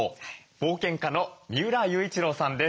冒険家の三浦雄一郎さんです。